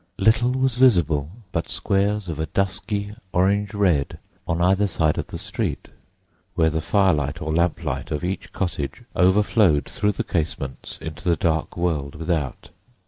Little was visible but squares of a dusky orange red on either side of the street, where the firelight or lamplight of each cottage overflowed through the casements into the dark world without.